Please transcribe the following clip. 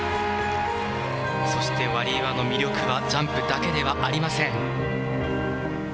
そしてワリエワの魅力はジャンプだけではありません。